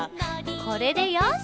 これでよし！